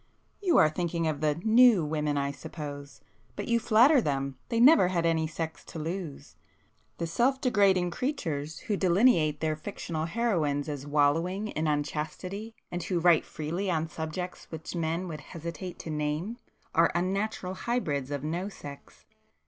"You are thinking of the 'New' women I suppose,—but you flatter them,—they never had any sex to lose. The self degrading creatures who delineate their fictional heroines as wallowing in unchastity, and who write freely on subjects which men would hesitate to name, are unnatural hybrids of no sex.